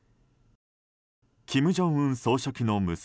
金正恩総書記の娘